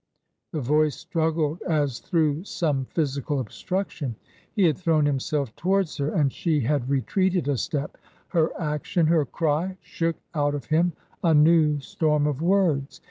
— the voice struggled as through some physical obstruction. He had thrown himself towards her, and she had re treated a step. Her action, her cry, shook out of him a new storm of words.